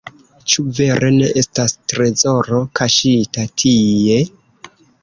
Ĉu vere ne estas trezoro, kaŝita tie?